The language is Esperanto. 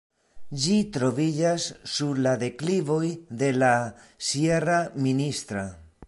Ĝi troviĝas sur la deklivoj de la sierra Ministra.